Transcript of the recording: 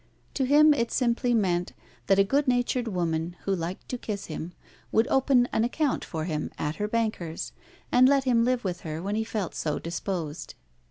To him it simply meant that a good natured woman, who liked to kiss him, would open an account for him at her banker's, and let him live with her when he felt so disposed.